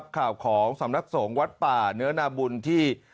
ข่าวของสำนักสงฆ์วัดป่าเนื้อนาบุญที่